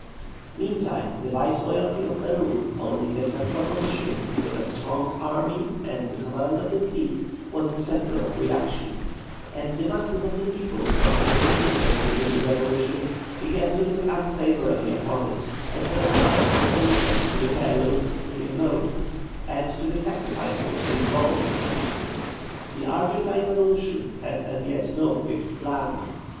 Meantime the viceroyalty of Peru, holding a central position, with a strong army and the command of the sea, was the centre of reaction; and the masses of the people not yet implicated in the revolution, began to look unfavourably upon it, as their eyes were opened to the perils it invoked and to the sacrifices it involved. The Argentine revolution had as yet no fixed plan.